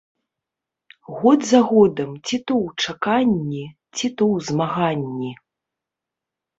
Год за годам ці то ў чаканні, ці то ў змаганні.